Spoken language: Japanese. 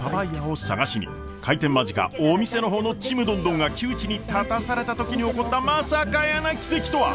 開店間近お店の方のちむどんどんが窮地に立たされた時に起こったまさかやーな奇跡とは？